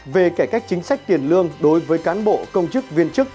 về cải cách chính sách tiền lương đối với cán bộ công chức viên chức